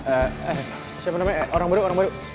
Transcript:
eh siapa namanya orang baru orang baru